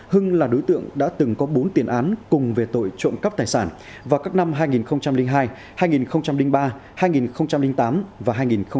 hưng là đối tượng đã từng có bốn tiền án cùng về tội trộm cắp tài sản vào các năm hai nghìn hai hai nghìn ba hai nghìn tám và hai nghìn một mươi ba